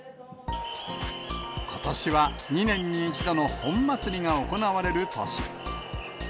ことしは、２年に１度の本祭りが行われる年。